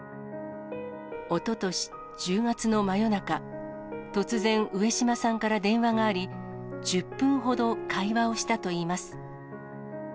おととし１０月の真夜中、突然、上島さんから電話があり、１０分ほど会話をしたといいます。